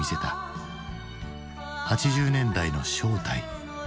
「８０年代の正体！